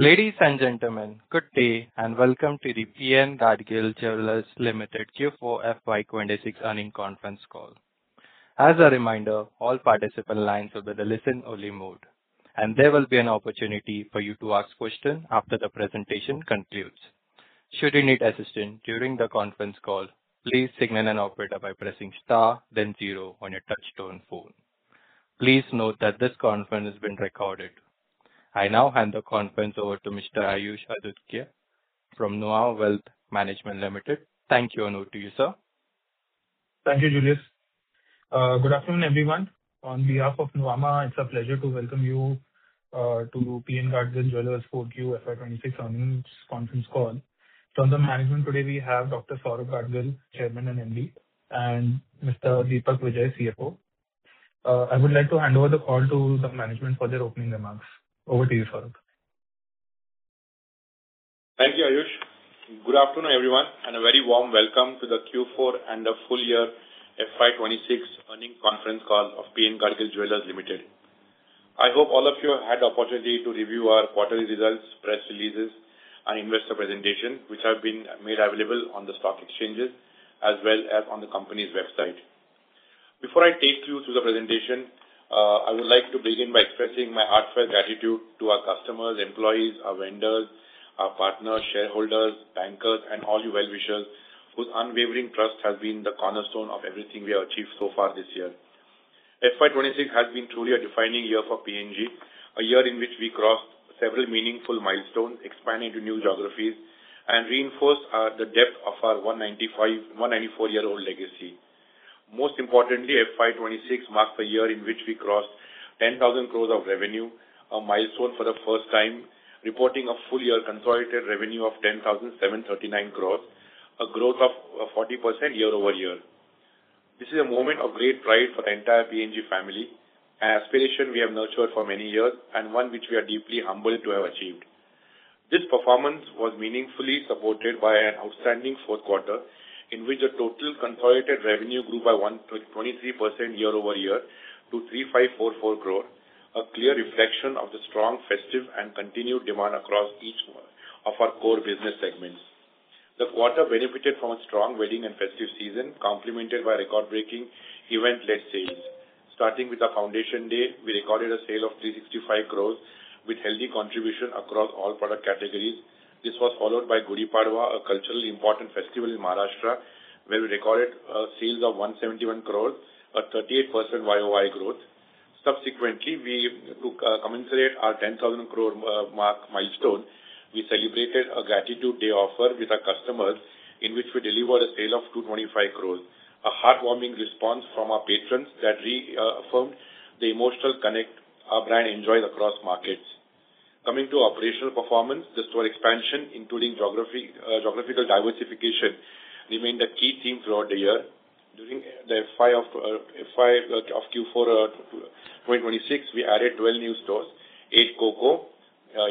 Ladies and gentlemen, good day and welcome to the P N Gadgil Jewellers Limited Q4 FY 2026 earnings conference call. As a reminder, all participant lines will be in listen-only mode, and there will be an opportunity for you to ask questions after the presentation concludes. Should you need assistance during the conference call, please signal an operator by pressing star then 0 on your touch-tone phone. Please note that this conference is being recorded. I now hand the conference over to Mr. Ayush Adhikari from Nuvama Wealth Management Limited. Thank you, and over to you, sir. Thank you, Julius. Good afternoon, everyone. On behalf of Nuvama, it's a pleasure to welcome you to P N Gadgil Jewellers' Q4 FY 2026 earnings conference call. From the management today we have Dr. Saurabh Gadgil, Chairman and MD, and Mr. Deepak Vijay, CFO. I would like to hand over the call to the management for their opening remarks. Over to you, Saurabh. Thank you, Ayush. Good afternoon, everyone, and a very warm welcome to the Q4 and the full year FY 2026 earnings conference call of P N Gadgil Jewellers Limited. I hope all of you had the opportunity to review our quarterly results, press releases, and investor presentation, which have been made available on the stock exchanges as well as on the company's website. Before I take you through the presentation, I would like to begin by expressing my heartfelt gratitude to our customers, employees, our vendors, our partners, shareholders, bankers, and all you well-wishers, whose unwavering trust has been the cornerstone of everything we have achieved so far this year. FY 2026 has been truly a defining year for PNG, a year in which we crossed several meaningful milestones, expanded to new geographies, and reinforced the depth of our 194-year-old legacy. Most importantly, FY 2026 marked the year in which we crossed 10,000 crores of revenue, a milestone for the first time, reporting a full-year consolidated revenue of 10,739 crores, a growth of 40% year-over-year. This is a moment of great pride for the entire PNG family, an aspiration we have nurtured for many years and one which we are deeply humbled to have achieved. This performance was meaningfully supported by an outstanding fourth quarter in which the total consolidated revenue grew by 123% year-over-year to 3,544 crores, a clear reflection of the strong festive and continued demand across each one of our core business segments. The quarter benefited from a strong wedding and festive season, complemented by record-breaking event-led sales. Starting with our Foundation Day, we recorded a sale of 365 crores with healthy contribution across all product categories. This was followed by Gudi Padwa, a culturally important festival in Maharashtra, where we recorded sales of 171 crore, a 38% year-over-year growth. Subsequently, to commemorate our 10,000 crore mark milestone, we celebrated a Gratitude Day offer with our customers, in which we delivered a sale of 225 crore, a heartwarming response from our patrons that reaffirmed the emotional connect our brand enjoys across markets. Coming to operational performance, the store expansion, including geographical diversification, remained a key theme throughout the year. During the Q4 of 2026, we added 12 new stores, 8 CoCo,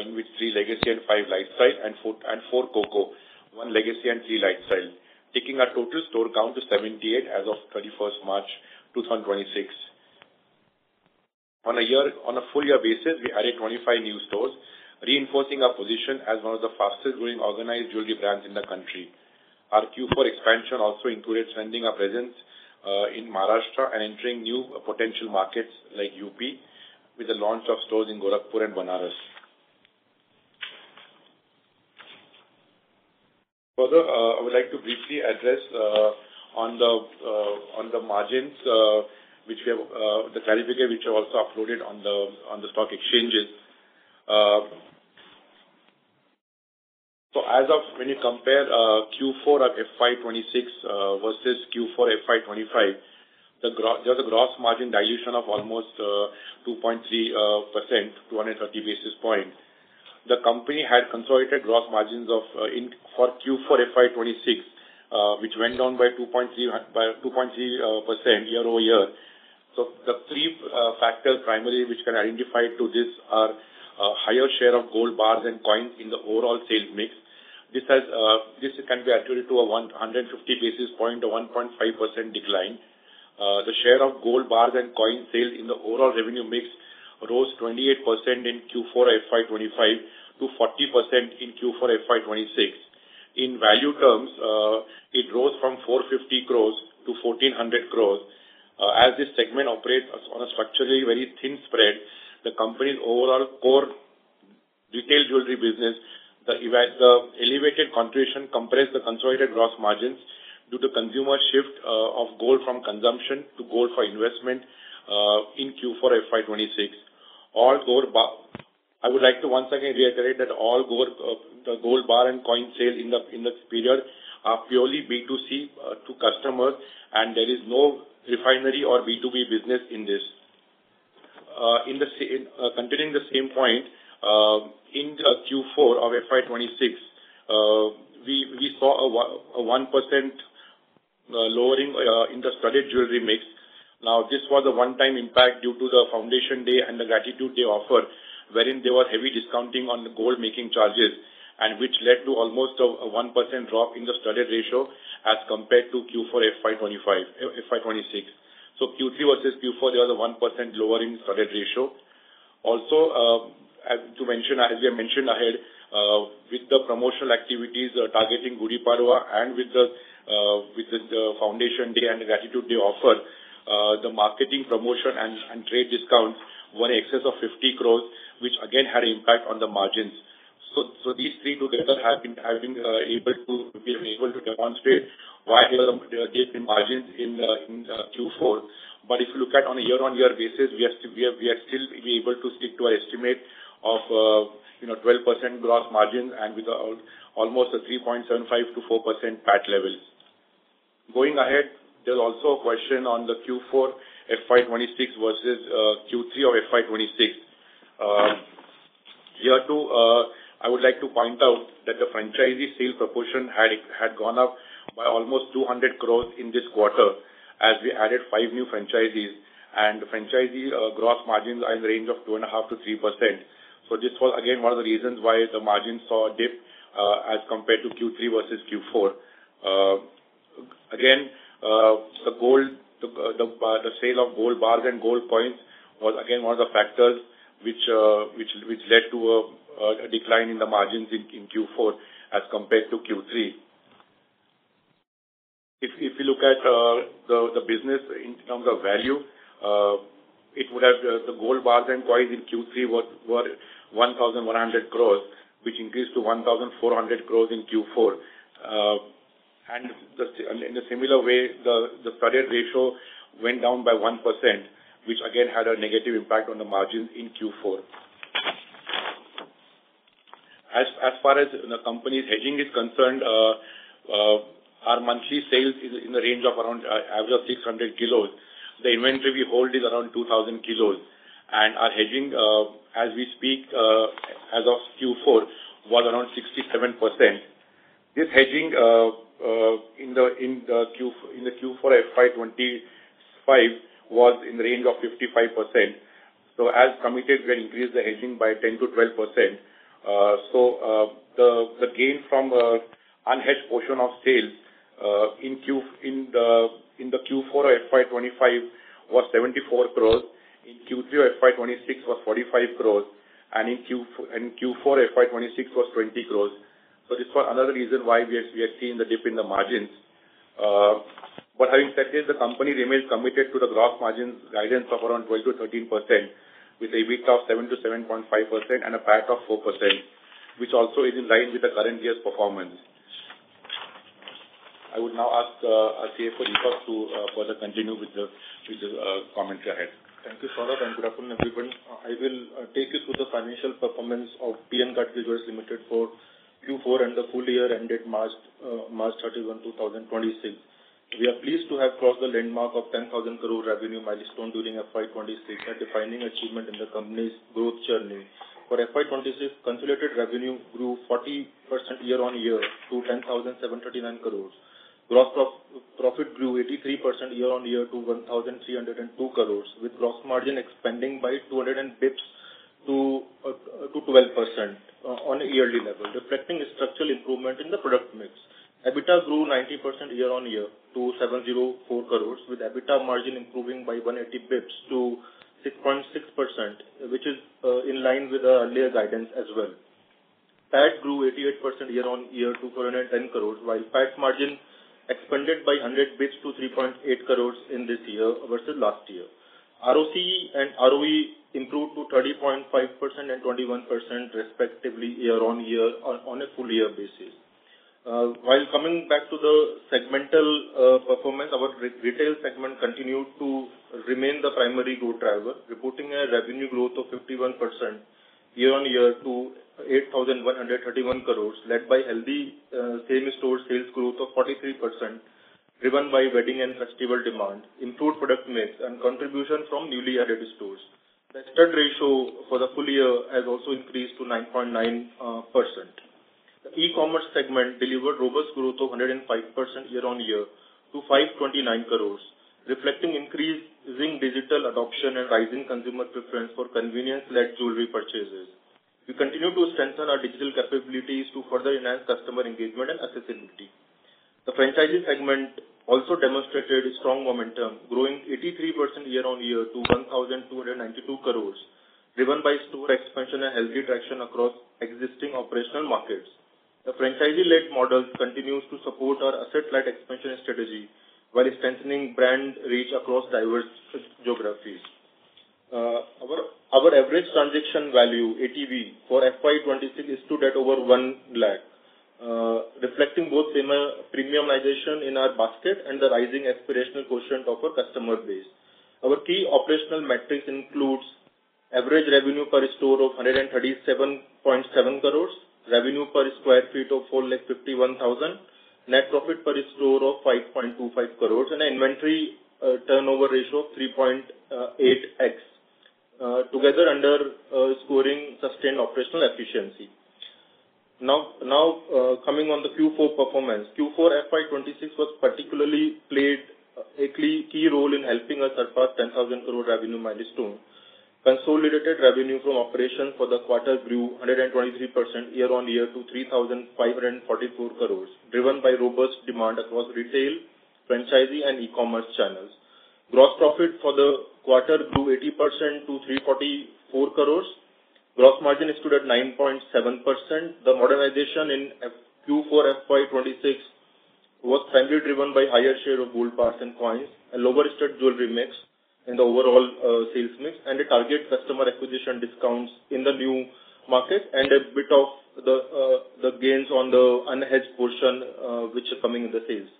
in which 3 Legacy and 5 LiteStyle, and 4 CoCo, 1 Legacy and 3 LiteStyle, taking our total store count to 78 as of 21st March 2026. On a full-year basis, we added 25 new stores, reinforcing our position as one of the fastest-growing organized jewelry brands in the country. Our Q4 expansion also included strengthening our presence in Maharashtra and entering new potential markets like UP with the launch of stores in Gorakhpur and Banaras. Further, I would like to briefly address on the margins, the clarification which I also uploaded on the stock exchanges. As of when you compare Q4 of FY 2026 versus Q4 FY 2025, there's a gross margin dilution of almost 2.3%, 230 basis points. The company had consolidated gross margins for Q4 FY 2026 which went down by 2.3% year-over-year. The three factors primarily which can identify to this are higher share of gold bars and coins in the overall sales mix. This can be attributed to a 150 basis point, a 1.5% decline. The share of gold bars and coin sales in the overall revenue mix rose 28% in Q4 FY 2025 to 40% in Q4 FY 2026. In value terms, it rose from 450 crore to 1,400 crore. As this segment operates on a structurally very thin spread, the company's overall core retail jewelry business, the elevated contribution compressed the consolidated gross margins due to consumer shift of gold from consumption to gold for investment in Q4 FY 2026. I would like to once again reiterate that all gold bar and coin sales in the period are purely B2C to customers, and there is no refinery or B2B business in this. Continuing the same point, in Q4 of FY 2026, we saw a 1% lowering in the studded jewelry mix. This was a one-time impact due to the Foundation Day and the Gratitude Day offer, wherein there was heavy discounting on the gold making charges which led to almost a 1% drop in the studded ratio as compared to Q4 FY 2026. Q3 versus Q4, they are 1% lower in studded ratio. Also, as we have mentioned ahead, with the promotional activities targeting Gudi Padwa and with the Foundation Day and Gratitude Day offer, the marketing promotion and trade discount were excess of 50 crore, which again, had impact on the margins. These three together have been able to demonstrate why we have a dip in margins in Q4. If you look at on a year-on-year basis, we are still able to stick to our estimate of 12% gross margin and with almost a 3.75%-4% PAT levels. Going ahead, there's also a question on the Q4 FY 2026 versus Q3 of FY 2026. Here too, I would like to point out that the franchisee sales proportion had gone up by almost 200 crore in this quarter as we added 5 new franchisees. The franchisee gross margins are in the range of 2.5%-3%. This was again, one of the reasons why the margins saw a dip, as compared to Q3 versus Q4. The sale of gold bars and gold coins was, again, one of the factors which led to a decline in the margins in Q4 as compared to Q3. If you look at the business in terms of value, the gold bars and coins in Q3 were 1,100 crores, which increased to 1,400 crores in Q4. In the similar way, the studded ratio went down by 1%, which again, had a negative impact on the margins in Q4. As far as the company's hedging is concerned, our monthly sales is in the range of around average of 600 kilos. The inventory we hold is around 2,000 kilos. Our hedging, as we speak, as of Q4, was around 67%. This hedging in the Q4 FY 2025 was in the range of 55%. As committed, we increased the hedging by 10%-12%. The gain from unhedged portion of sales, in the Q4 FY 2025 was 74 crores, in Q3 FY 2026 was 45 crores, and in Q4 FY 2026 was 20 crores. This was another reason why we are seeing the dip in the margins. Having said this, the company remains committed to the gross margins guidance of around 12%-13% with an EBITDA of 7%-7.5% and a PAT of 4%, which also is in line with the current year's performance. I would now ask CA Purushoth to further continue with the comments ahead. Thank you, Saurabh, and good afternoon, everyone. I will take you through the financial performance of P N Gadgil Jewellers Limited for Q4 and the full year ended March 31, 2026. We are pleased to have crossed the landmark of 10,000 crores revenue milestone during FY 2026, a defining achievement in the company's growth journey. For FY 2026, consolidated revenue grew 40% year-on-year to 10,739 crores. Gross profit grew 83% year-on-year to 1,302 crores, with gross margin expanding by 200 basis points to 12% on a yearly level, reflecting a structural improvement in the product mix. EBITDA grew 90% year-on-year to 704 crores with EBITDA margin improving by 180 basis points to 6.6%, which is in line with our earlier guidance as well. PAT grew 88% year-on-year to 410 crores, while PAT margin expanded by 100 basis points to 3.8% in this year versus last year. ROCE and ROE improved to 30.5% and 21% respectively year-on-year on a full year basis. Coming back to the segmental performance, our retail segment continued to remain the primary growth driver, reporting a revenue growth of 51% year-on-year to 8,131 crores, led by healthy same-store sales growth of 43%, driven by wedding and festival demand, improved product mix and contribution from newly added stores. The studded ratio for the full year has also increased to 9.9%. The e-commerce segment delivered robust growth of 105% year-on-year to 529 crores, reflecting increasing digital adoption and rising consumer preference for convenience-led jewelry purchases. We continue to strengthen our digital capabilities to further enhance customer engagement and accessibility. The franchisee segment also demonstrated strong momentum, growing 83% year-on-year to 1,292 crores, driven by store expansion and healthy traction across existing operational markets. The franchisee-led model continues to support our asset-light expansion strategy while strengthening brand reach across diverse geographies. Our average transaction value, ATV, for FY 2026 stood at over 1 lakh, reflecting both premiumization in our basket and the rising aspirational quotient of our customer base. Our key operational metrics includes average revenue per store of INR 137.7 crores, revenue per square feet of 451,000, net profit per store of INR 5.25 crores, and an inventory turnover ratio of 3.8x, together underscoring sustained operational efficiency. Now coming on the Q4 performance. Q4 FY 2026 particularly played a key role in helping us surpass 10,000 crore revenue milestone. Consolidated revenue from operations for the quarter grew 123% year-on-year to 3,544 crores, driven by robust demand across retail, franchisee, and e-commerce channels. Gross profit for the quarter grew 80% to 344 crores. Gross margin stood at 9.7%. The modernization in Q4 FY 2026 was primarily driven by a higher share of gold bars and coins, a lower-starred jewelry mix in the overall sales mix, and target customer acquisition discounts in the new market, and a bit of the gains on the unhedged portion which are coming in the sales.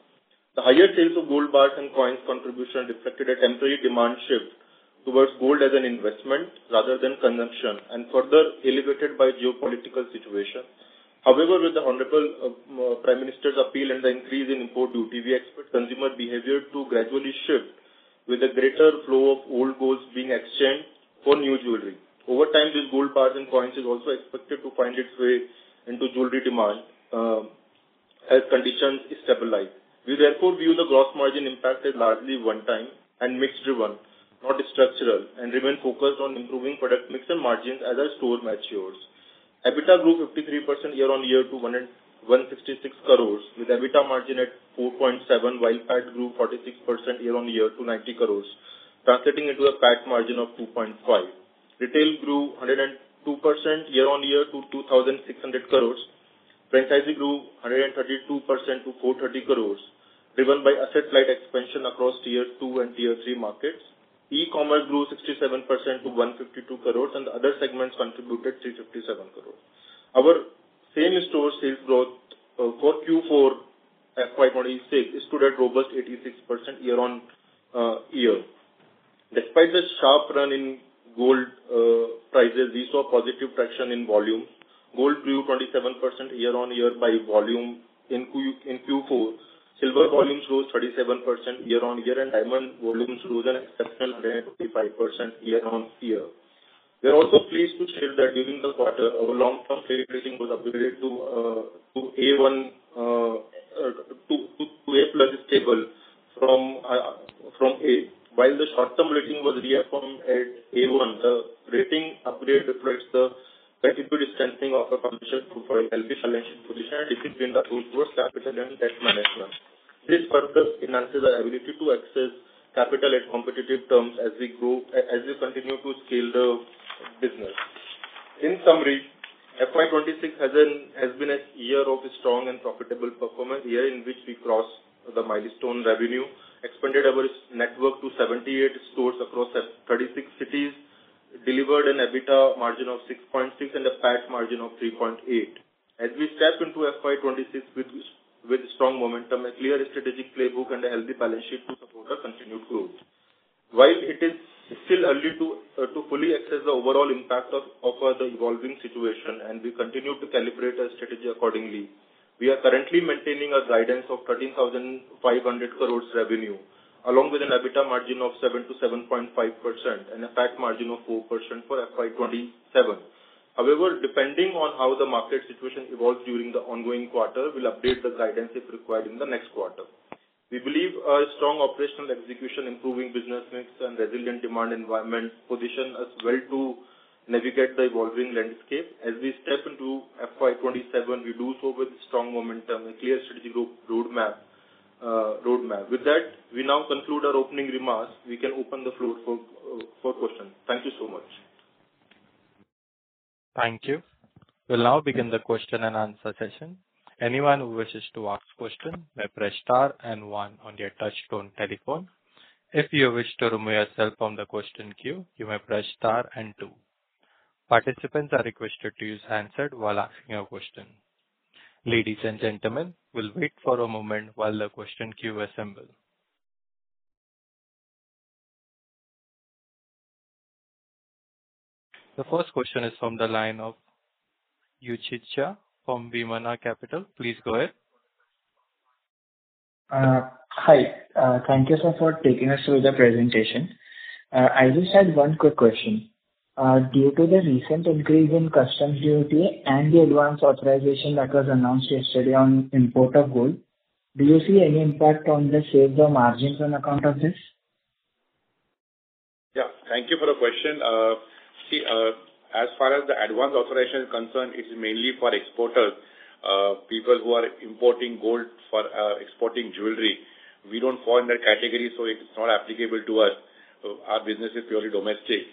The higher sales of gold bars and coins contribution reflected a temporary demand shift towards gold as an investment rather than consumption, and further elevated by geopolitical situation. However, with the honorable Prime Minister's appeal and the increase in import duty, we expect consumer behavior to gradually shift, with a greater flow of old gold being exchanged for new jewelry. Over time, this gold, bars, and coins is also expected to find its way into jewelry demand as conditions stabilize. We therefore view the gross margin impact as largely one time and mix driven, not structural, and remain focused on improving product mix and margins as our store matures. EBITDA grew 53% year-on-year to 166 crores with EBITDA margin at 4.7%, while PAT grew 46% year-on-year to 90 crores, translating into a PAT margin of 2.5%. Retail grew 102% year-on-year to 2,600 crores. Franchisee grew 132% to 430 crores, driven by asset-light expansion across tier 2 and tier 3 markets. E-commerce grew 67% to 152 crores, and other segments contributed 357 crores. Our same-store sales growth for Q4 FY 2026 stood at robust 86% year-on-year. Despite the sharp run in gold prices, we saw positive traction in volume. Gold grew 27% year-on-year by volume in Q4. Silver volumes rose 37% year-on-year, and diamond volumes rose an exceptional 155% year-on-year. We are also pleased to share that during the quarter, our long-term credit rating was upgraded to A+ Stable from A, while the short-term rating was reaffirmed at A.1. The rating upgrade reflects the credit rating strengthening of our financial group for a healthy financial position and discipline that drove growth capital and debt management. This further enhances our ability to access capital at competitive terms as we continue to scale the business. In summary, FY 2026 has been a year of strong and profitable performance, a year in which we crossed the milestone revenue, expanded our network to 78 stores across 36 cities, delivered an EBITDA margin of 6.6% and a PAT margin of 3.8%. As we step into FY 2026 with strong momentum, a clear strategic playbook, and a healthy balance sheet to support our continued growth. While it is still early to fully assess the overall impact of the evolving situation and we continue to calibrate our strategy accordingly, we are currently maintaining a guidance of 13,500 crore revenue, along with an EBITDA margin of 7%-7.5% and a PAT margin of 4% for FY 2027. Depending on how the market situation evolves during the ongoing quarter, we'll update the guidance if required in the next quarter. We believe our strong operational execution, improving business mix, and resilient demand environment position us well to navigate the evolving landscape. As we step into FY 2027, we do so with strong momentum and a clear strategic roadmap. With that, we now conclude our opening remarks. We can open the floor for questions. Thank you so much. Thank you. We'll now begin the question and answer session. Anyone who wishes to ask a question may press star 1 on your touchtone telephone. If you wish to remove yourself from the question queue, you may press star 2. Participants are requested to use handset while asking your question. Ladies and gentlemen, we'll wait for a moment while the question queue assembles. The first question is from the line of Uchit Shya from Vimana Capital. Please go ahead. Hi. Thank you, sir, for taking us through the presentation. I just had one quick question. Due to the recent increase in customs duty and the advance authorization that was announced yesterday on import of gold, do you see any impact on the sales or margins on account of this? Yeah. Thank you for the question. See, as far as the advance authorization is concerned, it's mainly for exporters, people who are importing gold for exporting jewelry. We don't fall in that category, so it's not applicable to us. Our business is purely domestic.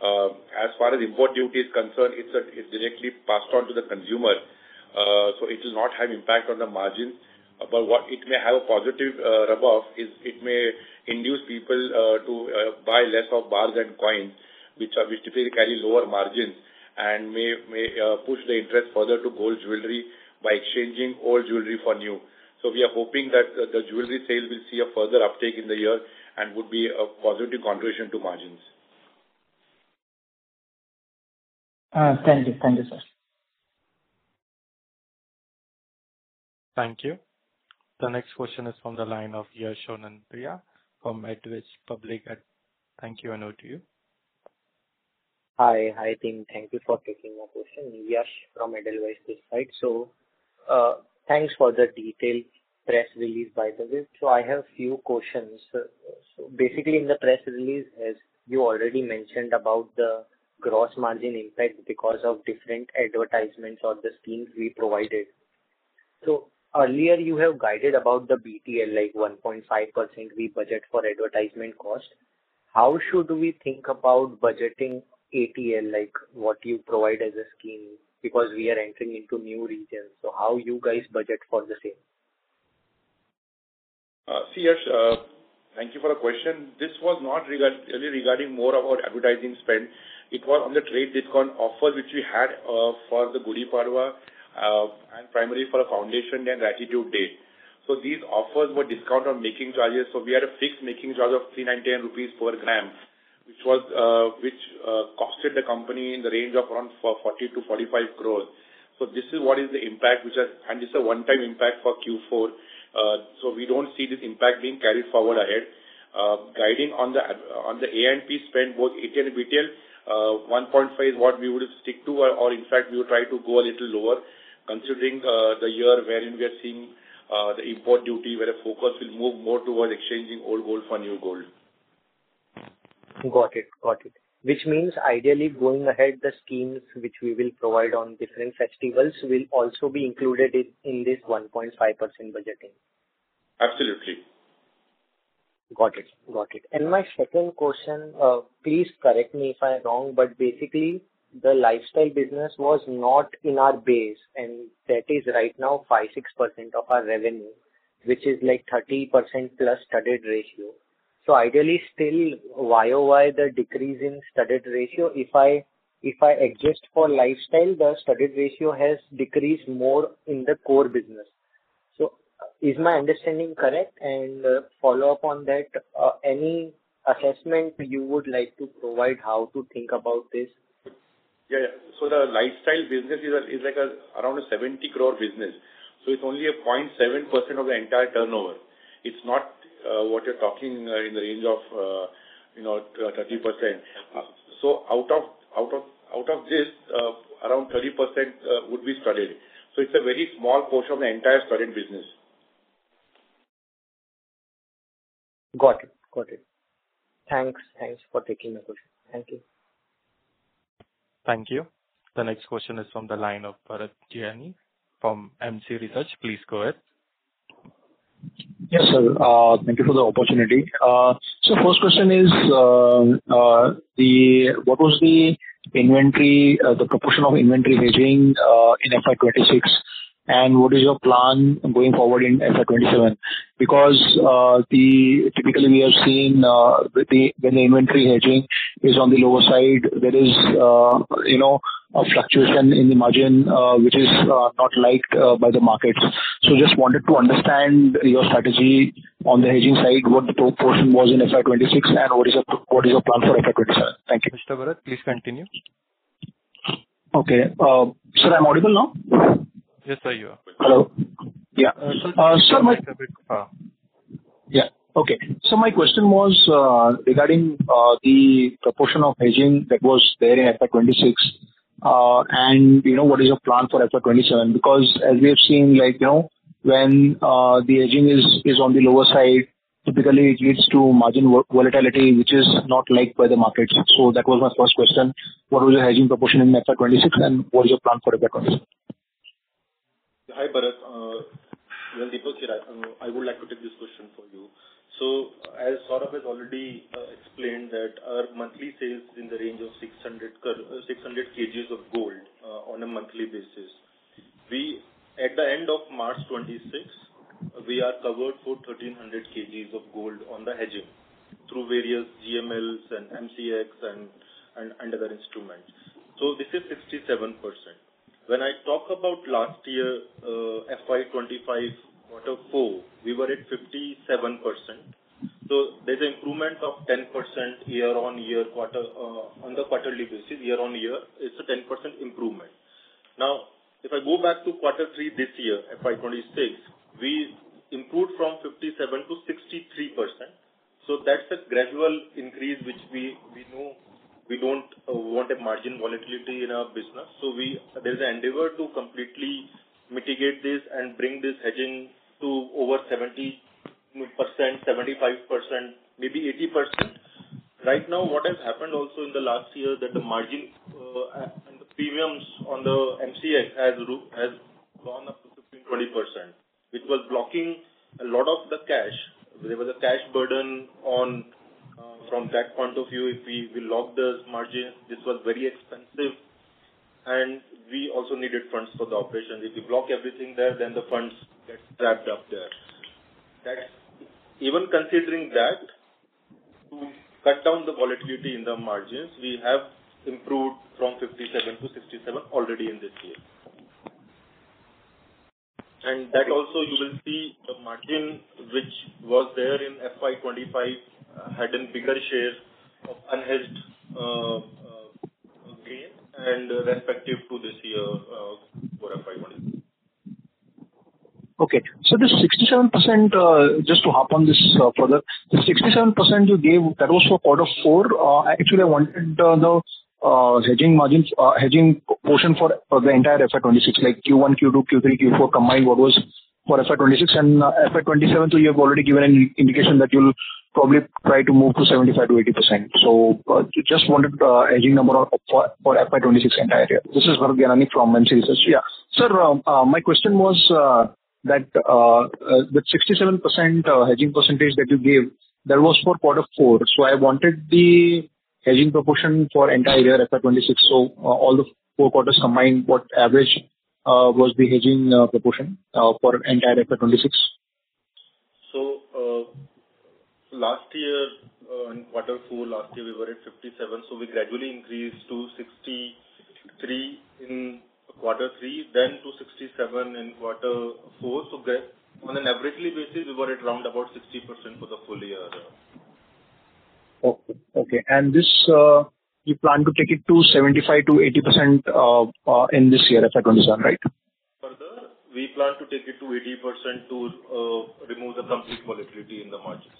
As far as import duty is concerned, it's directly passed on to the consumer, so it will not have impact on the margin. What it may have a positive rub-off is it may induce people to buy less of bars and coins, which typically carry lower margins, and may push the interest further to gold jewelry by exchanging old jewelry for new. We are hoping that the jewelry sales will see a further uptake in the year and would be a positive contribution to margins. Thank you, sir. Thank you. The next question is from the line of Yashwanten Priya from Edelweiss. Thank you, and over to you. Hi. Thank you for taking my question. Yash from Edelweiss this side. Thanks for the detailed press release, by the way. I have a few questions. Basically, in the press release, as you already mentioned about the gross margin impact because of different advertisements or the schemes we provided. Earlier you have guided about the BTL, 1.5% we budget for advertisement cost. How should we think about budgeting ATL, like what you provide as a scheme? Because we are entering into new regions, how you guys budget for the same. Yash, thank you for the question. This was not really regarding more about advertising spend. It was on the trade discount offer, which we had for the Gudi Padwa, and primarily for our Foundation Day and Gratitude Offer. These offers were discount on making charges. We had a fixed making charge of ₹310 per gram, which costed the company in the range of around 40 crore to 45 crore. This is what is the impact, and this is a one-time impact for Q4. We don't see this impact being carried forward ahead. Guiding on the A&P spend, both ATL and BTL, 1.5% is what we would stick to, or in fact, we would try to go a little lower considering the year wherein we are seeing the import duty, where the focus will move more towards exchanging old gold for new gold. Got it. Which means ideally going ahead, the schemes which we will provide on different festivals will also be included in this 1.5% budgeting. Absolutely. Got it. My second question, please correct me if I'm wrong, basically, the LiteStyle business was not in our base, and that is right now 5%-6% of our revenue, which is like 30% plus studded ratio. Ideally, still year-over-year, the decrease in studded ratio. If I adjust for LiteStyle, the studded ratio has decreased more in the core business. Is my understanding correct? Follow-up on that, any assessment you would like to provide on how to think about this? Yeah. The LiteStyle business is around an 70 crore business. It's only a 0.7% of the entire turnover. It's not what you're talking in the range of 30%. Out of this, around 30% would be studded. It's a very small portion of the entire studded business. Got it. Thanks for taking my question. Thank you. Thank you. The next question is from the line of Bharat Gianani from MC Research. Please go ahead. Yes, sir. Thank you for the opportunity. First question is, what was the proportion of inventory hedging in FY 2026, and what is your plan going forward in FY 2027? Typically, we have seen when the inventory hedging is on the lower side, there is a fluctuation in the margin, which is not liked by the markets. Just wanted to understand your strategy on the hedging side, what the proportion was in FY 2026, and what is your plan for FY 2027? Thank you. Mr. Bharat, please continue. Sir, I'm audible now? Yes, sir, you are. Hello. Yeah. Sir- Yeah. Okay. My question was regarding the proportion of hedging that was there in FY 2026, and what is your plan for FY 2027? As we have seen, when the hedging is on the lower side, typically it leads to margin volatility, which is not liked by the markets. That was my first question. What was your hedging proportion in FY 2026, and what is your plan for FY 2027? Hi, Bharat. Deepesh Hirani. I would like to take this question for you. As Saurabh has already explained that our monthly sales in the range of 600 kgs of gold on a monthly basis. At the end of March 2026, we are covered for 1,300 kgs of gold on the hedging through various GMLs and MCX and other instruments. This is 67%. When I talk about last year, FY 2025 quarter 4, we were at 57%. There's an improvement of 10% on the quarterly basis year-on-year. It's a 10% improvement. If I go back to quarter 3 this year, FY 2026, we improved from 57% to 63%. That's a gradual increase, which we know we don't want a margin volatility in our business. There's an endeavor to completely mitigate this and bring this hedging to over 70%, 75%, maybe 80%. Right now, what has happened also in the last year that the margin and the premiums on the MCX has gone up to 15%-20%, which was blocking a lot of the cash. There was a cash burden from that point of view. If we lock those margins, this was very expensive, and we also needed funds for the operation. If you block everything there, then the funds get trapped up there. Even considering that, to cut down the volatility in the margins, we have improved from 57%-67% already in this year. That also you will see the margin which was there in FY 2025 had a bigger share of unhedged gain and respective to this year for FY 2026. Okay. Just to hop on this further, the 67% you gave, that was for quarter four. Actually, I wanted the hedging portion for the entire FY 2026, like Q1, Q2, Q3, Q4 combined, what was for FY 2026 and FY 2027. You have already given an indication that you will probably try to move to 75%-80%. Just wanted the hedging number for FY 2026 entire year. This is Varun Ganani from MCX. Yeah. Sir, my question was that the 67% hedging percentage that you gave, that was for quarter four. I wanted the hedging proportion for entire year FY 2026. All the four quarters combined, what average was the hedging proportion for entire FY 2026? Last year in quarter four, we were at 57%. We gradually increased to 63% in quarter three, then to 67% in quarter four. On an averagely basis, we were at around about 60% for the full year. Okay. This, you plan to take it to 75%-80% in this year, if I understand right? We plan to take it to 80% to remove the complete volatility in the margins.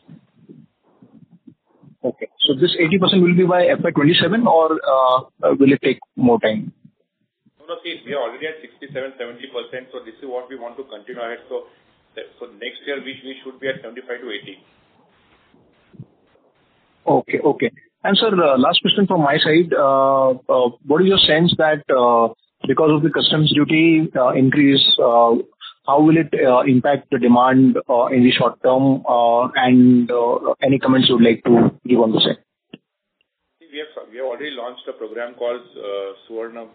Okay. This 80% will be by FY 2027 or will it take more time? No, see, we are already at 67%-70%, this is what we want to continue at. Next year, we should be at 75%-80%. Okay. Sir, last question from my side. What is your sense that because of the customs duty increase, how will it impact the demand in the short term? Any comments you would like to give on the same? We have already launched a program called Suvarna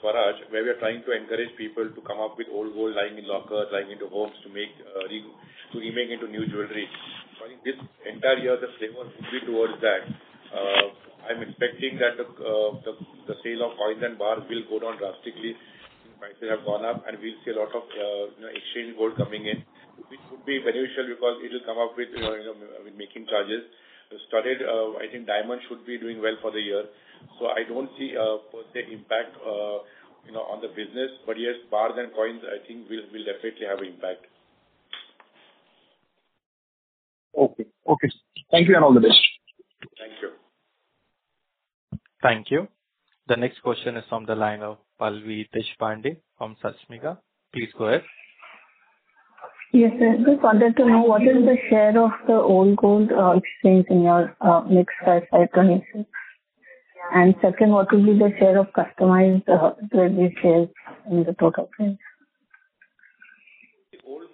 Swaraj, where we are trying to encourage people to come up with old gold lying in lockers, lying into homes, to remake into new jewelry. I think this entire year, the flavor would be towards that. I am expecting that the sale of coins and bars will go down drastically. Prices have gone up and we'll see a lot of exchange gold coming in, which would be beneficial because it'll come up with making charges. I think diamonds should be doing well for the year. I don't see a per se impact on the business. Yes, bars and coins, I think will definitely have impact. Okay. Thank you, and all the best. Thank you. Thank you. The next question is from the line of Pallavi Teshpande from Sashmika. Please go ahead. Yes, sir. Just wanted to know what is the share of the old gold exchange in your mix for FY 2026? Second, what will be the share of customized jewelry sales in the product range? Old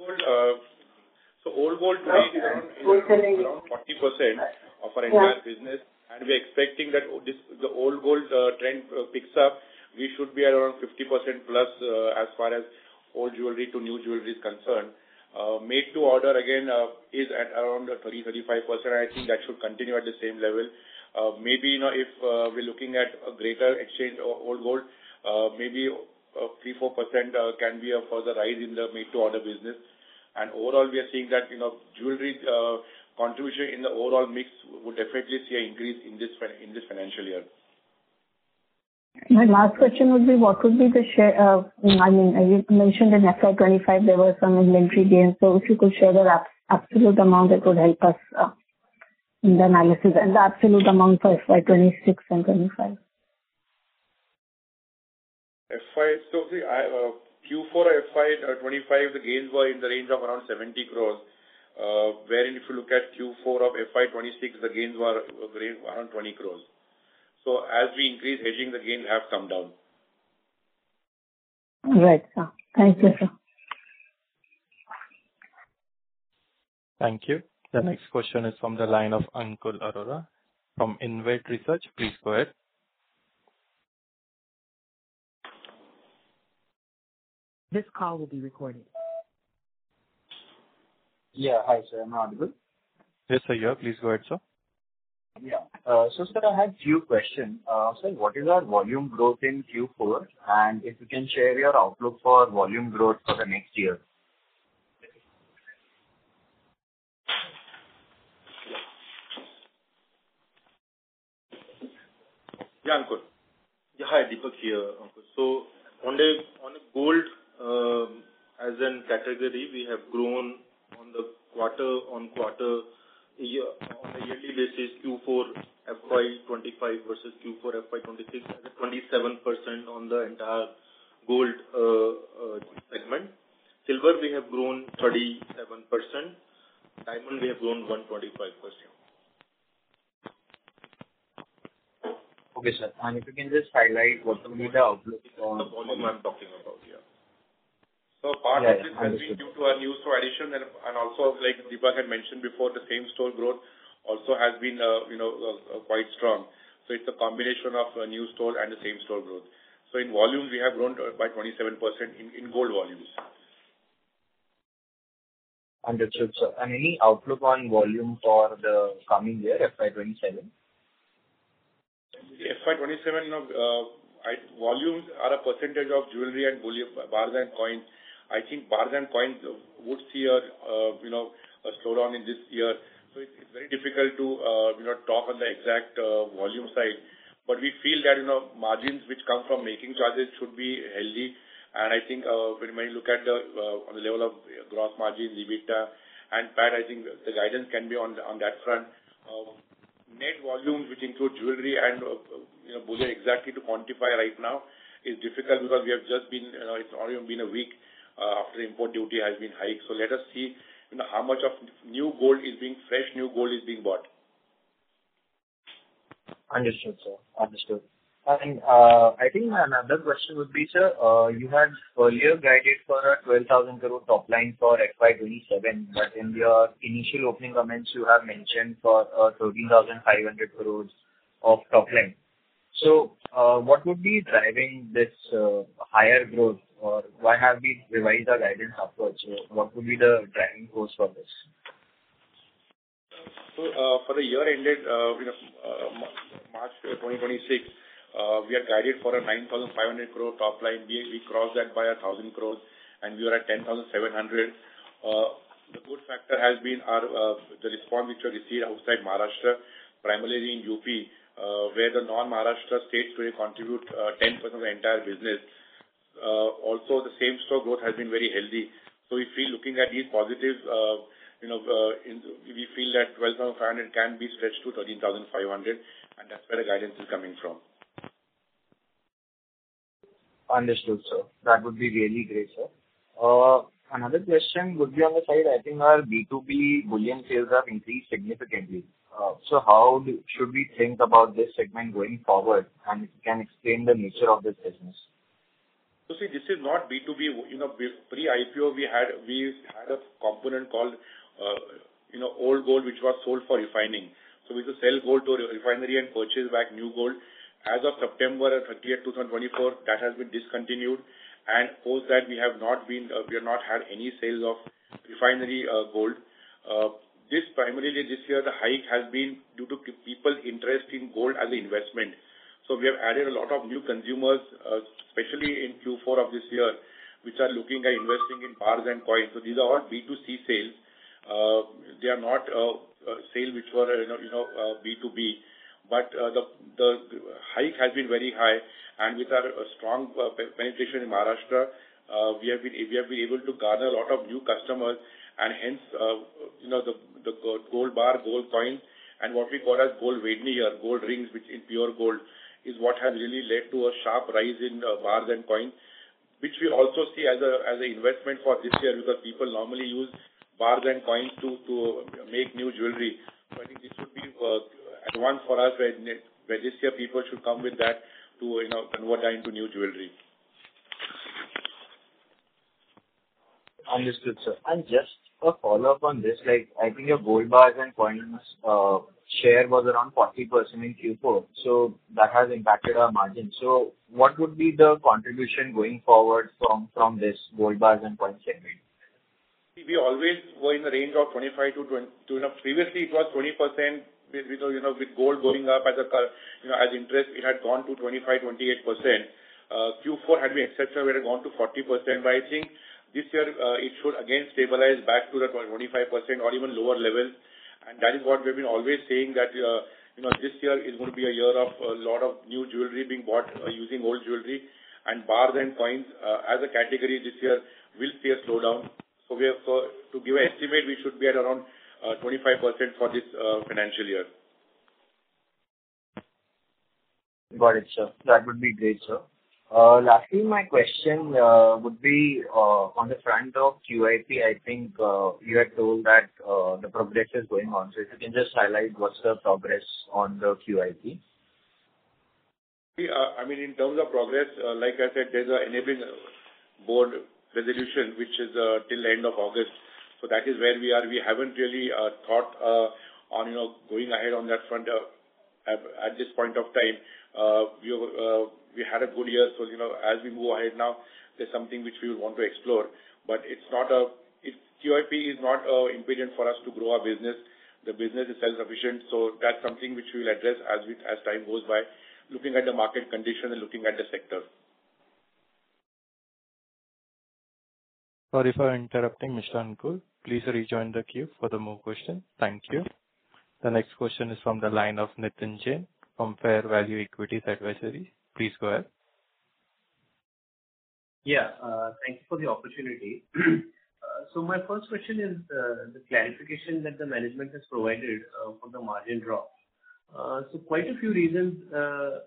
gold today is around 40% of our entire business. We're expecting that the old gold trend picks up. We should be around 50% plus as far as old jewelry to new jewelry is concerned. Made to order, again, is at around 30%-35%. I think that should continue at the same level. Maybe if we're looking at a greater exchange of old gold, maybe 3%-4% can be a further rise in the made-to-order business. Overall, we are seeing that jewelry contribution in the overall mix would effectively see an increase in this financial year. My last question would be, what could be the share of, I mean, you mentioned in FY 2025, there were some inventory gains. If you could share the absolute amount that would help us in the analysis and the absolute amount for FY 2026 and FY 2025. Q4 FY 2025, the gains were in the range of around 70 crores. Wherein if you look at Q4 of FY 2026, the gains were around 20 crores. As we increase hedging, the gains have come down. Right, sir. Thank you, sir. Thank you. The next question is from the line of Ankur Arora from InvIT Research. Please go ahead. This call will be recorded. Yeah. Hi, sir. Am I audible? Yes, sir. Please go ahead, sir. Yeah. Sir, I had few questions. Sir, what is our volume growth in Q4? If you can share your outlook for volume growth for the next year. Yeah, Ankur. Hi, Deepak here. On gold as a category, we have grown on the yearly basis Q4 FY 2025 versus Q4 FY 2026 at 27% on the entire gold segment. Silver, we have grown 37%. Diamond, we have grown 125%. Okay, sir. If you can just highlight what will be the outlook for. The volume I'm talking about. Part of this has been due to our new store addition and also like Deepak had mentioned before, the same-store growth also has been quite strong. It's a combination of a new store and the same-store growth. In volume, we have grown by 27% in gold volumes. Understood, sir. Any outlook on volume for the coming year, FY 2027? FY 2027, volumes are a percentage of jewelry and bars and coins. I think bars and coins would see a slowdown in this year. It's very difficult to talk on the exact volume side. We feel that margins which come from making charges should be healthy, and I think when we look at the level of gross margin, EBITDA, and PAT, I think the guidance can be on that front. Net volumes, which include jewelry and bullion, exactly to quantify right now is difficult because it's only been a week after import duty has been hiked. Let us see how much of fresh new gold is being bought. Understood, sir. Understood. I think another question would be, sir, you had earlier guided for a 12,000 crore top line for FY 2027, in your initial opening comments, you have mentioned for 13,500 crore of top line. What would be driving this higher growth? Why have we revised our guidance upwards? What would be the driving force for this? For the year ended March 2026, we had guided for an 9,500 crore top line. We crossed that by 1,000 crore, and we are at 10,700. The good factor has been the response which we received outside Maharashtra, primarily in UP, where the non-Maharashtra states today contribute 10% of the entire business. Also, the same-store growth has been very healthy. We feel looking at these positives, we feel that 12,500 can be stretched to 13,500, that's where the guidance is coming from. Understood, sir. That would be really great, sir. Another question would be on the side. I think our B2B bullion sales have increased significantly. How should we think about this segment going forward? Can you explain the nature of this business? You see, this is not B2B. Pre-IPO, we had a component called old gold, which was sold for refining. We used to sell gold to a refinery and purchase back new gold. As of September 30th, 2024, that has been discontinued, post that, we have not had any sales of refinery gold. Primarily this year, the hike has been due to people's interest in gold as an investment. We have added a lot of new consumers, especially in Q4 of this year, which are looking at investing in bars and coins. These are all B2C sales. They are not sales which were B2B, the hike has been very high, with our strong penetration in Maharashtra, we have been able to garner a lot of new customers hence the gold bar, gold coin, and what we call as gold rings, which is pure gold, is what has really led to a sharp rise in bars and coins. Which we also see as an investment for this year because people normally use bars and coins to make new jewelry. I think this should be an advance for us where this year people should come with that to convert that into new jewelry. Understood, sir. Just a follow-up on this, I think your gold bars and coins share was around 40% in Q4. That has impacted our margin. What would be the contribution going forward from this gold bars and coins segment? We always were in the range of 25%. Previously it was 20%. With gold going up as interest, it had gone to 25%-28%. Q4 had been exceptional. We had gone to 40%, I think this year it should again stabilize back to that 25% or even lower level. That is what we've been always saying, that this year is going to be a year of a lot of new jewelry being bought using old jewelry, and bars and coins as a category this year will see a slowdown. To give an estimate, we should be at around 25% for this financial year. Got it, sir. That would be great, sir. Lastly, my question would be on the front of QIP. I think you had told that the progress is going on. If you can just highlight what's the progress on the QIP? In terms of progress, like I said, there's an enabling board resolution, which is till end of August. That is where we are. We haven't really thought on going ahead on that front at this point of time. We had a good year, so as we move ahead now, there's something which we would want to explore. QIP is not an impediment for us to grow our business. The business is self-sufficient. That's something which we'll address as time goes by, looking at the market condition and looking at the sector. Sorry for interrupting, Mr. Ankur. Please rejoin the queue for more questions. Thank you. The next question is from the line of Nitin Jain from Fair Value Equities Advisory. Please go ahead. Yeah. Thank you for the opportunity. My first question is the clarification that the management has provided for the margin drop. Quite a few reasons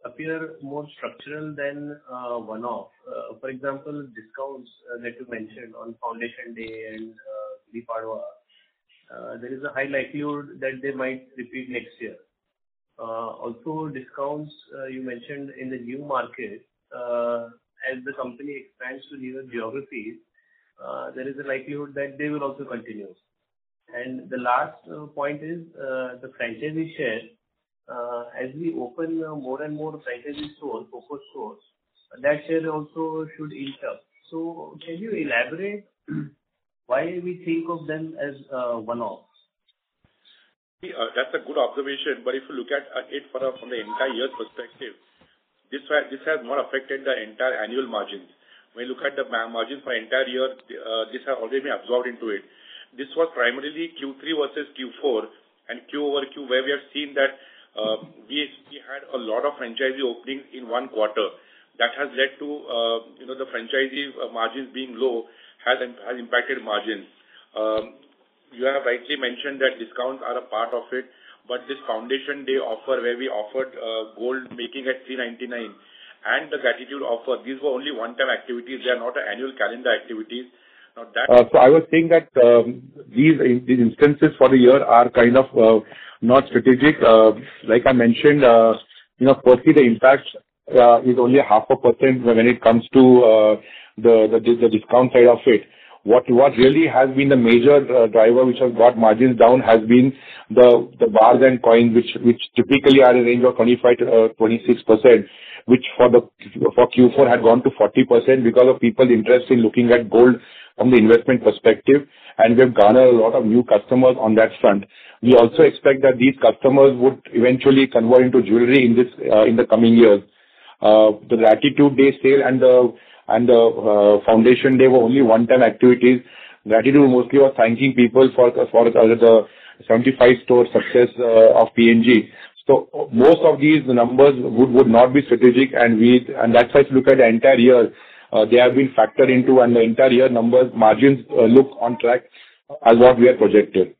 appear more structural than one-off. For example, discounts that you mentioned on Foundation Day and Diwali. There is a high likelihood that they might repeat next year. Also, discounts you mentioned in the new market. As the company expands to newer geographies, there is a likelihood that they will also continue. The last point is the franchisee share. As we open more and more franchisee stores, FOCO stores, that share also should inch up. Can you elaborate why we think of them as one-offs? That's a good observation. If you look at it from an entire year perspective, this has not affected the entire annual margin. When you look at the margin for entire year, this has already been absorbed into it. This was primarily Q3 versus Q4 and quarter-over-quarter, where we have seen that we had a lot of franchisee openings in one quarter. That has led to the franchisee margins being low, has impacted margins. You have rightly mentioned that discounts are a part of it, but this Foundation Day offer where we offered gold making at 399 and the Gratitude Offer, these were only one-time activities. They are not annual calendar activities. I was saying that these instances for the year are kind of not strategic. Like I mentioned, firstly, the impact is only a half a percent when it comes to the discount side of it. What really has been the major driver which has got margins down has been the bars and coins, which typically are in range of 25%-26%, which for Q4 had gone to 40% because of people interest in looking at gold from the investment perspective, and we've garnered a lot of new customers on that front. We also expect that these customers would eventually convert into jewelry in the coming years. The Gratitude Day sale and the Foundation Day were only one-time activities. Gratitude mostly was thanking people for the 75 store success of PNG. Most of these numbers would not be strategic, and that's why if you look at the entire year, they have been factored into and the entire year numbers margins look on track as what we have projected.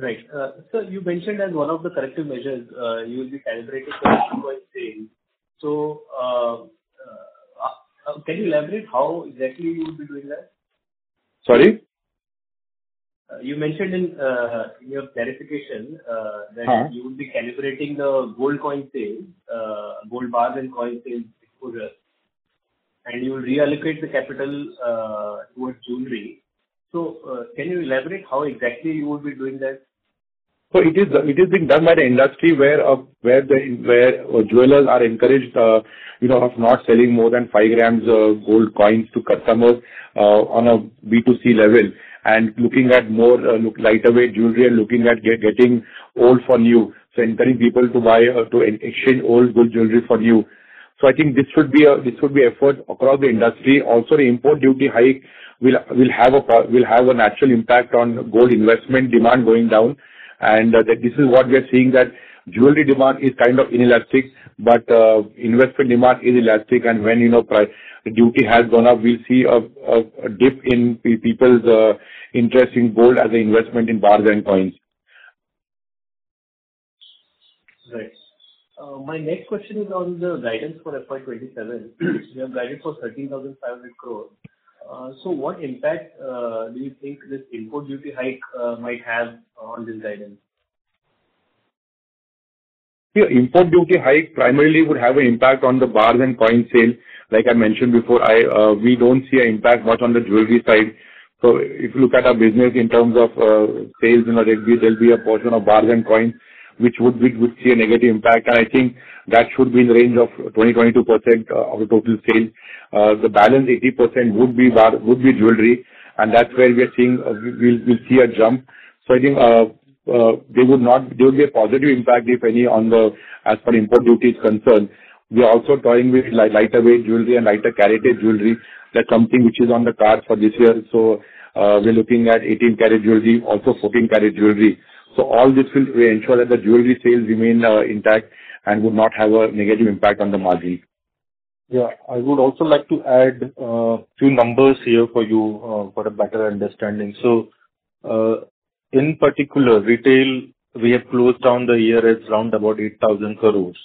Right. Sir, you mentioned as one of the corrective measures you will be calibrating gold coin sales. Can you elaborate how exactly you will be doing that? Sorry? You mentioned in your clarification. Huh that you will be calibrating the gold coin sales, gold bar and coin sales and you will reallocate the capital towards jewelry. Can you elaborate how exactly you would be doing that? It is being done by the industry where jewelers are encouraged, of not selling more than five grams of gold coins to customers on a B2C level and looking at more lighter weight jewelry and looking at getting old for new. Encouraging people to exchange old gold jewelry for new. I think this would be effort across the industry. Also, the import duty hike will have a natural impact on gold investment demand going down. This is what we are seeing, that jewelry demand is kind of inelastic, but investment demand is elastic, and when duty has gone up, we see a dip in people's interest in gold as an investment in bars and coins. Right. My next question is on the guidance for FY27. You have guided for INR 13,500 crore. What impact do you think this import duty hike might have on this guidance? Import duty hike primarily would have an impact on the bars and coins sale. Like I mentioned before, we don't see an impact much on the jewelry side. If you look at our business in terms of sales, there'll be a portion of bars and coins which would see a negative impact, and I think that should be in the range of 20%-22% of the total sales. The balance 80% would be jewelry, and that's where we're seeing we'll see a jump. I think there would be a positive impact if any, as far as import duty is concerned. We are also toying with lighter weight jewelry and lighter caratage jewelry. That's something which is on the card for this year also. We're looking at 18-carat jewelry, also 14-carat jewelry. All this will ensure that the jewelry sales remain intact and would not have a negative impact on the margin. Yeah. I would also like to add a few numbers here for you for a better understanding. In particular, retail, we have closed down the year at around about 8,000 crores,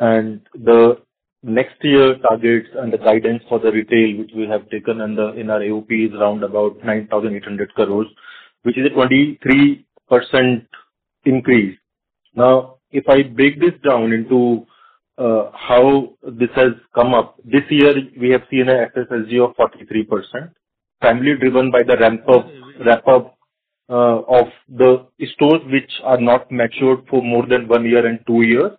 and the next year targets and the guidance for the retail which we have taken in our AOP is around about 9,800 crores, which is a 23% increase. If I break this down into how this has come up, this year we have seen an SSG of 43%, primarily driven by the ramp-up of the stores which are not matured for more than one year and two years.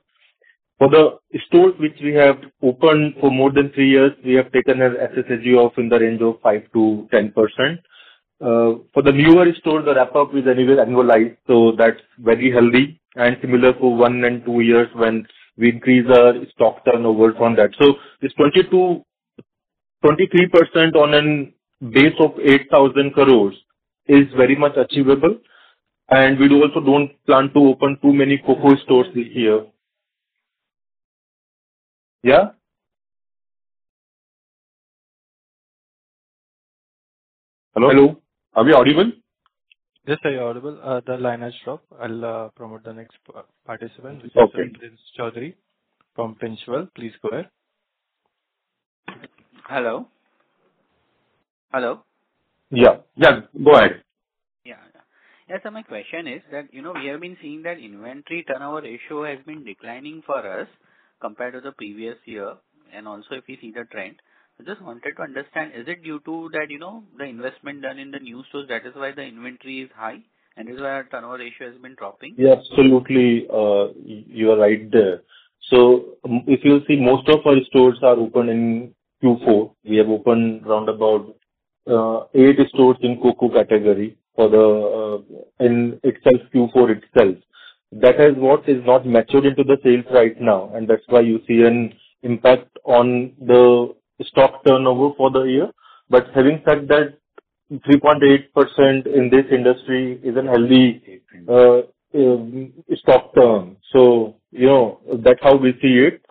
For the stores which we have opened for more than three years, we have taken an SSG of in the range of 5%-10%. For the newer stores, the ramp-up is annualized, that's very healthy, and similar for one and two years when we increase our stock turnovers on that. This 23% on a base of 8,000 crores is very much achievable, and we also don't plan to open too many CoCo stores this year. Yeah? Hello? Are we audible? Yes, sir, you're audible. The line has dropped. I'll promote the next participant. Okay. Which is Mr. Prithish Choudhary from Finswirl. Please go ahead. Hello? Hello? Yeah. Go ahead. Yeah. Sir, my question is that, we have been seeing that inventory turnover ratio has been declining for us compared to the previous year, and also if we see the trend. I just wanted to understand, is it due to the investment done in the new stores, that is why the inventory is high, and is why our turnover ratio has been dropping? Yes. Absolutely. You are right there. If you see, most of our stores are opened in Q4. We have opened around about eight stores in CoCo category in Q4 itself. That is what has not matured into the sales right now, and that's why you see an impact on the stock turnover for the year. Having said that, 3.8% in this industry is a healthy stock turn. That's how we see it.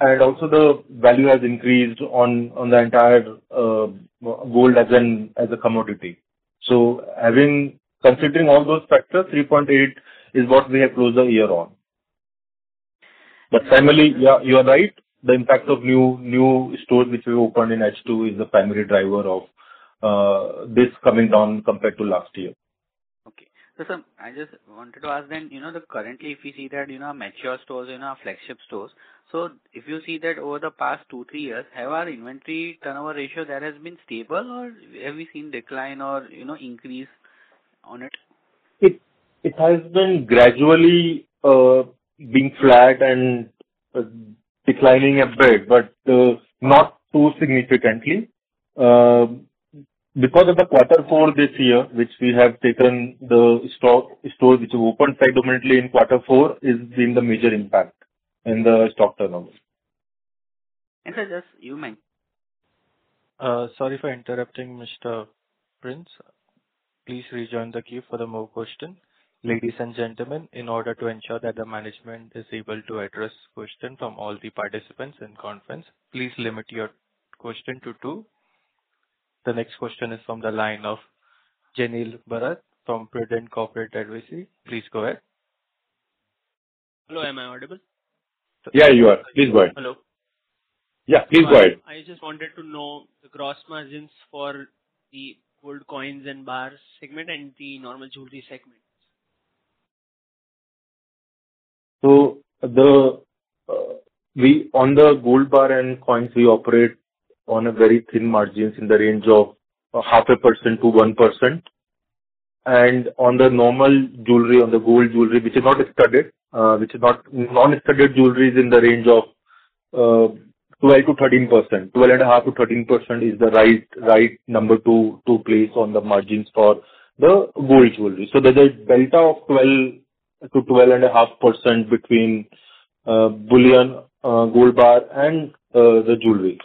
Also, the value has increased on the entire gold as a commodity. Considering all those factors, 3.8 is what we have closed the year on. Primarily, you are right, the impact of new stores which we opened in H2 is the primary driver of this coming down compared to last year. Okay. Sir, I just wanted to ask, currently if we see that mature stores and our flagship stores. If you see that over the past two, three years, have our inventory turnover ratio there has been stable, or have we seen decline or increase on it? It has been gradually being flat and declining a bit, not too significantly. Because of the quarter four this year, which we have taken the stores which we opened predominantly in quarter four has been the major impact in the stock turnover. Sir, You may. Sorry for interrupting, Mr. Prince. Please rejoin the queue for more questions. Ladies and gentlemen, in order to ensure that the management is able to address questions from all the participants in conference, please limit your questions to two. The next question is from the line of Janil Bharat from Prudent Corporate Advisory. Please go ahead. Hello, am I audible? Yeah, you are. Please go ahead. Hello. Yeah, please go ahead. I just wanted to know the gross margins for the gold coins and bars segment and the normal jewelry segment. On the gold bar and coins, we operate on very thin margins in the range of half a % to 1%. On the normal jewelry, on the gold jewelry, which is non-studded jewelries in the range of 12%-13%. 12.5%-13% is the right number to place on the margins for the gold jewelry. There's a delta of 12%-12.5% between bullion gold bar and the jewelry.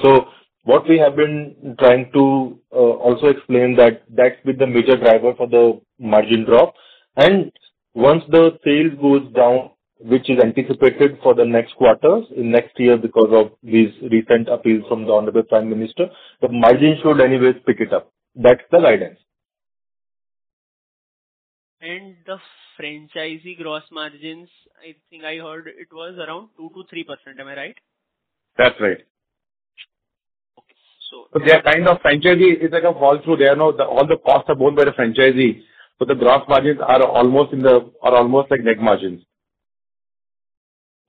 What we have been trying to also explain that's been the major driver for the margin drop. Once the sale goes down, which is anticipated for the next quarters in next year because of this recent appeal from the Honorable Prime Minister, the margin should anyways pick it up. That's the guidance. The franchisee gross margins, I think I heard it was around 2%-3%. Am I right? That's right. Okay. Their kind of franchisee is like a fall through. All the costs are borne by the franchisee, so the gross margins are almost like net margins.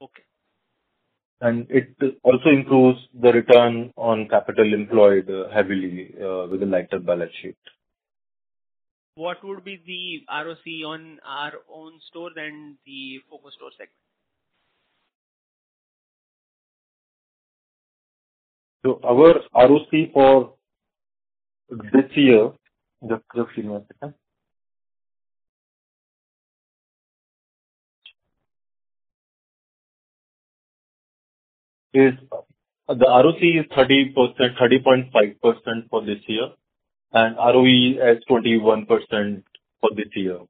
Okay. It also improves the return on capital employed heavily within lighter balance sheet. What would be the ROC on our own stores and the FOCO store segment? Our ROC for this year, just a few moments again. The ROC is 30.5% for this year. ROE is 21% for this year.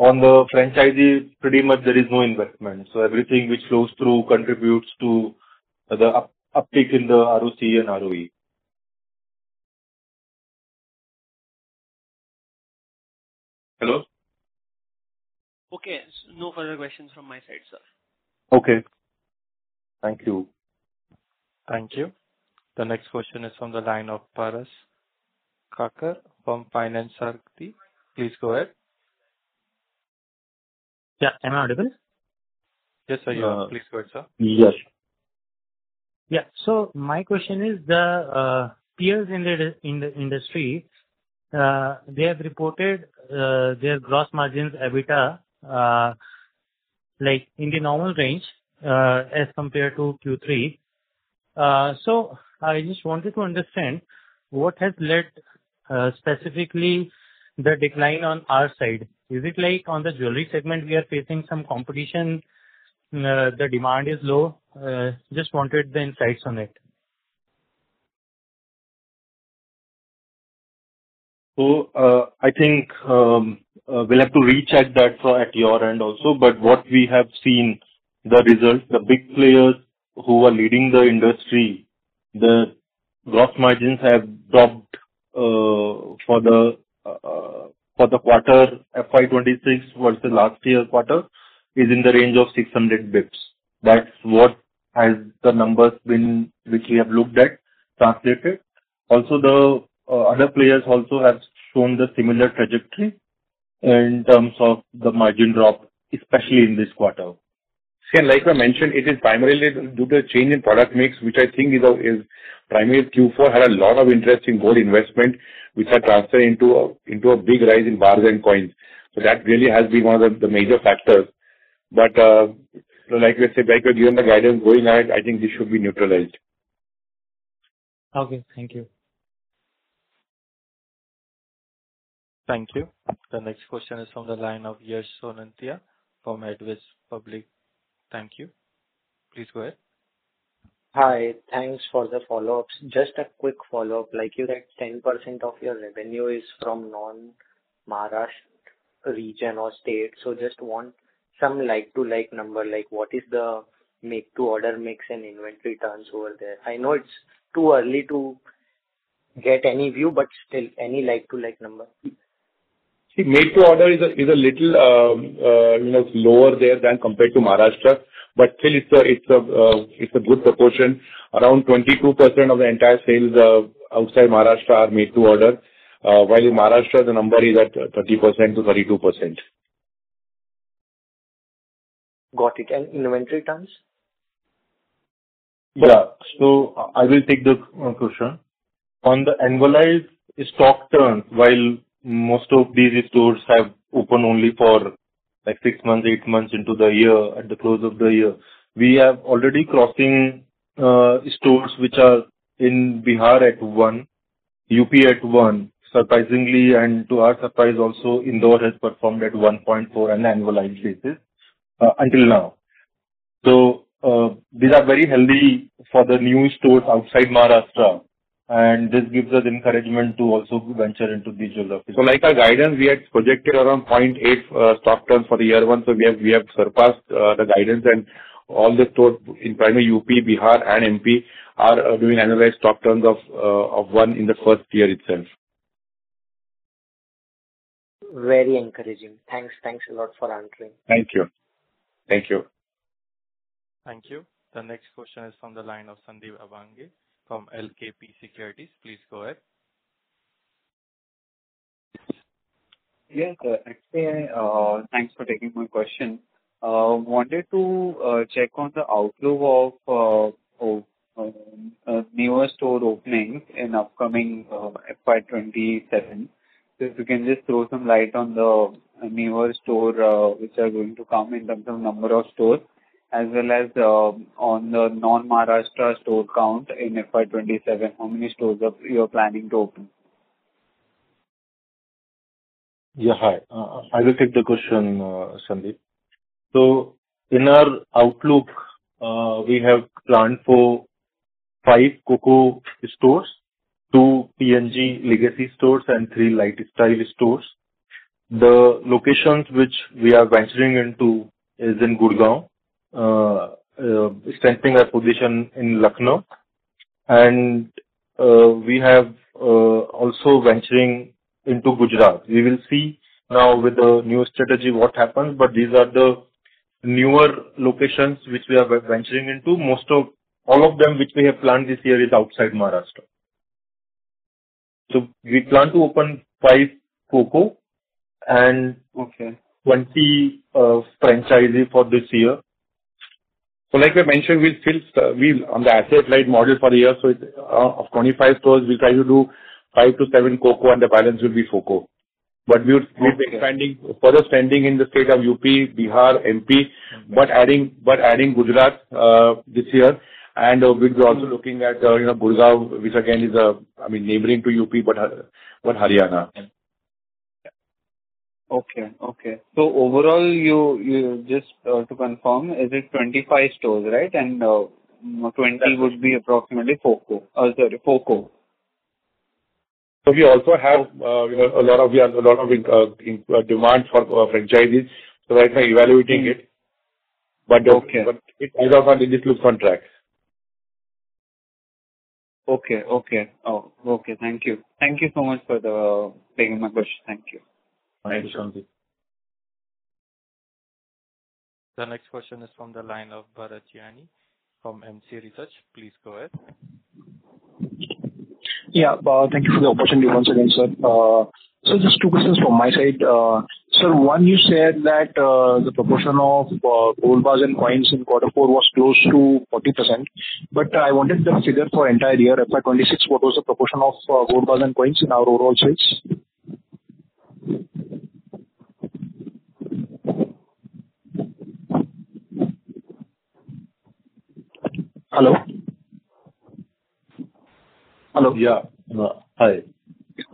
On the franchisee, pretty much there is no investment. Everything which goes through contributes to the uptick in the ROC and ROE. Hello? Okay. No further questions from my side, sir. Okay. Thank you. Thank you. The next question is from the line of Paras Kakkar from Finance Ark. Please go ahead. Yeah. Am I audible? Yes, sir, you are. Please go ahead, sir. Yes. Yeah. My question is the peers in the industry, they have reported their gross margins, EBITDA, in the normal range as compared to Q3. I just wanted to understand what has led specifically the decline on our side. Is it like on the jewelry segment, we are facing some competition, the demand is low? Just wanted the insights on it. I think we'll have to recheck that at your end also. What we have seen, the results, the big players who are leading the industry, the gross margins have dropped for the quarter FY 2026 versus last year's quarter, is in the range of 600 basis points. That's what the numbers which we have looked at translated. The other players also have shown the similar trajectory in terms of the margin drop, especially in this quarter. Like I mentioned, it is primarily due to a change in product mix, which I think is primary Q4 had a lot of interest in gold investment, which are transferred into a big rise in bars and coins. That really has been one of the major factors. Like I said, given the guidance going ahead, I think this should be neutralized. Okay. Thank you. Thank you. The next question is on the line of Yash Sonawalla from Edelweiss. Thank you. Please go ahead. Hi. Thanks for the follow-ups. Just a quick follow-up. You said 10% of your revenue is from non-Maharashtra region or state. Just want some like-to-like number, like what is the make to order mix and inventory turns over there. I know it's too early to get any view. Still, any like-to-like number. See, make to order is a little lower there than compared to Maharashtra. Still, it's a good proportion. Around 22% of the entire sales outside Maharashtra are made to order, while in Maharashtra, the number is at 30%-32%. Got it. inventory turns? Yeah. I will take that question. On the annualized stock turn, while most of these stores have opened only for six months, eight months into the year at the close of the year, we have already crossed stores which are in Bihar at one, UP at one, surprisingly, and to our surprise also, Indore has performed at 1.4 on an annualized basis until now. These are very healthy for the new stores outside Maharashtra, and this gives us encouragement to also venture into these geographies. Like our guidance, we had projected around 0.8 stock turns for the year one, so we have surpassed the guidance and all the stores in primarily UP, Bihar, and MP are doing annualized stock turns of one in the first year itself. Very encouraging. Thanks. Thanks a lot for answering. Thank you. Thank you. The next question is from the line of Sandeep Jain from LKP Securities. Please go ahead. Yes. Thanks for taking my question. Wanted to check on the outlook of newer store openings in upcoming FY 2027. If you can just throw some light on the newer stores which are going to come in terms of number of stores, as well as on the non-Maharashtra store count in FY 2027, how many stores you are planning to open? Yeah. Hi. I will take the question, Sandeep. In our outlook, we have planned for five CoCo stores, two PNG Legacy stores, and three LiteStyle stores. The locations which we are venturing into is in Gurgaon, strengthening our position in Lucknow. We have also venturing into Gujarat. We will see now with the new strategy what happens, these are the newer locations which we are venturing into. All of them which we have planned this year is outside Maharashtra. We plan to open five CoCo and- Okay. 20 franchises for this year. Like I mentioned, on the asset-light model for the year of 25 stores, we try to do five to seven CoCo and the balance will be FOCO. We would- Okay. Expanding, further expanding in the state of U.P., Bihar, M.P., but adding Gujarat this year. We are also looking at Gurgaon, which again is neighboring to U.P., but Haryana. Okay. Overall, just to confirm, is it 25 stores? 20 would be approximately FOCO. We also have a lot of demand for franchises, right now evaluating it. Okay. It is on a digital contract. Okay. Thank you. Thank you so much for taking my question. Thank you. Thank you, Sandeep. The next question is from the line of Bharat Gianani from MC Research. Please go ahead. Thank you for the opportunity once again, sir. Just two questions from my side. Sir, one, you said that the proportion of gold bars and coins in quarter four was close to 40%, but I wanted the figure for entire year, FY 2026, what was the proportion of gold bars and coins in our overall sales? Hello? Yeah. Hi.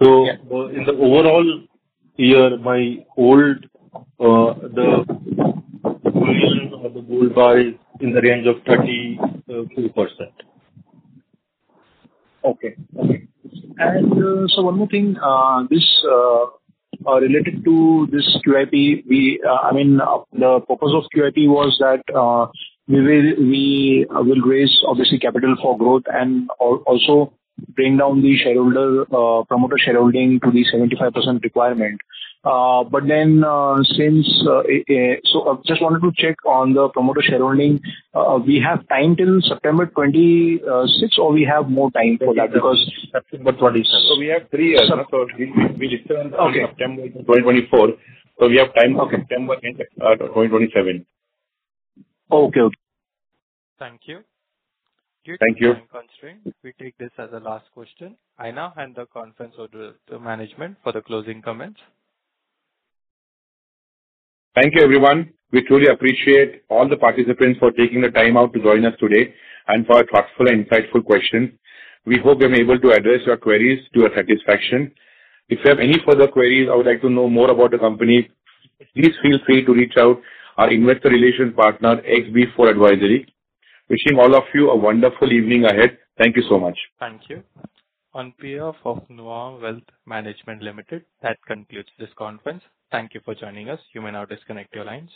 In the overall year, my gold, the proportion of the gold bar is in the range of 33%. Okay. One more thing. Related to this QIP, the purpose of QIP was that we will raise, obviously, capital for growth and also bring down the promoter shareholding to the 75% requirement. Just wanted to check on the promoter shareholding. We have time till September 26, or we have more time for that? September 27. We have three years. We list on September 2024, so we have time till September 2027. Okay. Thank you. Thank you. Due to time constraint, we take this as the last question. I now hand the conference over to management for the closing comments. Thank you, everyone. We truly appreciate all the participants for taking the time out to join us today and for your thoughtful and insightful questions. We hope we are able to address your queries to your satisfaction. If you have any further queries or would like to know more about the company, please feel free to reach out our investor relations partner, XB4 Advisory. Wishing all of you a wonderful evening ahead. Thank you so much. Thank you. On behalf of Nuvama Wealth Management Limited, that concludes this conference. Thank you for joining us. You may now disconnect your lines.